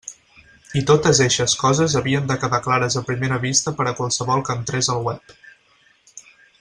I totes eixes coses havien de quedar clares a primera vista per a qualsevol que entrés al web.